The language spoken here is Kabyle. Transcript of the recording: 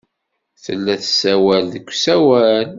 Tella tessawal deg usawal.